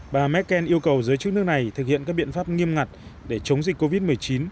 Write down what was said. bà merkel yêu cầu giới chức nước này thực hiện các biện pháp nghiêm ngặt để chống dịch covid một mươi chín